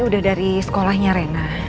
udah dari sekolahnya rena